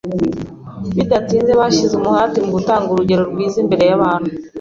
Bidatinze bashyize umuhati mu gutanga urugero rwiza imbere y’abantu